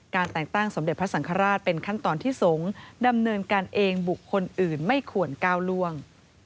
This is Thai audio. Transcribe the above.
แต่งตั้งสมเด็จพระสังฆราชเป็นขั้นตอนที่สงฆ์ดำเนินการเองบุคคลอื่นไม่ควรก้าวล่วง